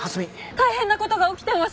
大変な事が起きてます！